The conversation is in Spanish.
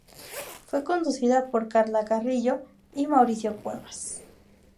Fue conducida por Karla Carrillo y Mauricio Cuevas.